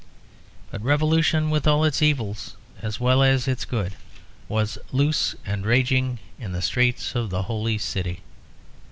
But revolution with all its evil as well as its good was loose and raging in the streets of the Holy City.